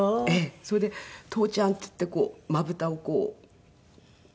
それで「父ちゃん」って言ってまぶたをこう。